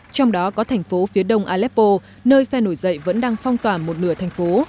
trong đó có thành phố phía đông aleppo nơi phe nổi dậy vẫn đang phong tỏa một nửa thành phố